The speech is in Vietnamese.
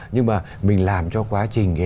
nhưng mà mình làm cho quá trình